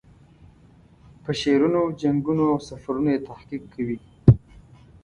په شعرونو، جنګونو او سفرونو یې تحقیق کوي.